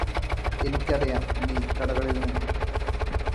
എനിക്കറിയാം നീ കടകളില് നിന്ന്